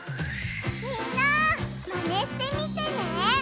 みんなマネしてみてね！